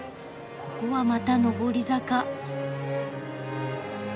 ここはまた上り坂。